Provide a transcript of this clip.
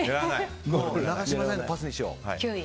もう永島さんへのパスにしよう。